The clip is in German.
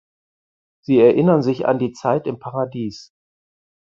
Sie erinnern sich an die Zeit im Paradies.